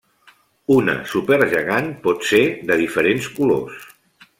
Una supergegant pot ser de diferents colors.